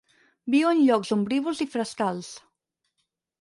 Viu en llocs ombrívols i frescals.